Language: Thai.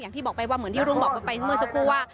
อย่างที่บอกไปว่าเหมือนที่รุ้งบอกไปเมื่อสักครู่ว่า